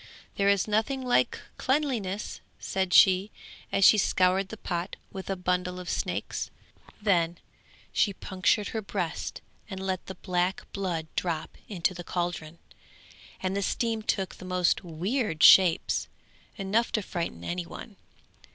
'There is nothing like cleanliness,' said she, as she scoured the pot with a bundle of snakes; then she punctured her breast and let the black blood drop into the caldron, and the steam took the most weird shapes, enough to frighten any one.